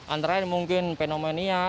antara yang mungkin pneumonia